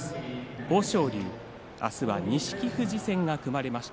豊昇龍は明日は錦富士戦が組まれました。